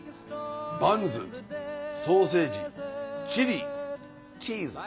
バンズソーセージチリチーズ。